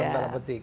dalam tala petik